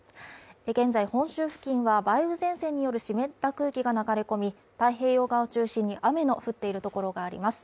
現在本州付近は梅雨前線による湿った空気が流れ込み、太平洋側を中心に雨の降っているところがあります。